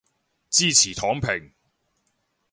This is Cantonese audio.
支持躺平